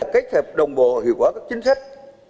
cách hợp đồng bộ hiệu quả các chính sách